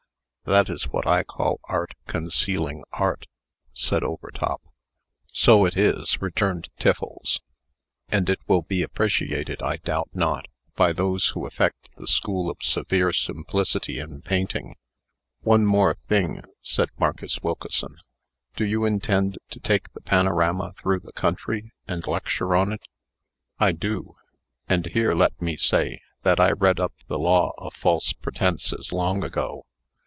That is what I call Art concealing Art," said Overtop. "So it is," returned Tiffles; "and it will be appreciated, I doubt not, by those who affect the school of Severe Simplicity in painting." "One thing more," said Marcus Wilkeson. "Do you intend to take the panorama through the country, and lecture on it?" "I do. And here let me say, that I read up the law of false pretences long ago.